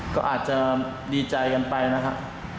ก็อาจจะดีใจกันไปนะครับ